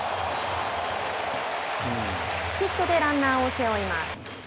ヒットでランナーを背負います。